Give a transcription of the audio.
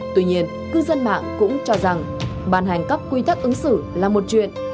tuy nhiên cư dân mạng cũng cho rằng bàn hành các quy tắc ứng xử là một chuyện